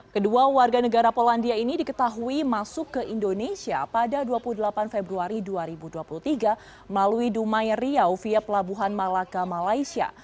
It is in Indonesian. kedua warga negara polandia ini diketahui masuk ke indonesia pada dua puluh delapan februari dua ribu dua puluh tiga melalui dumai riau via pelabuhan malaka malaysia